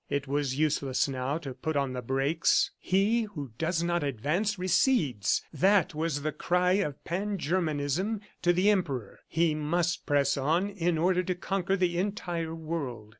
It was useless now to put on the brakes. "He who does not advance recedes"; that was the cry of PanGermanism to the Emperor. He must press on in order to conquer the entire world.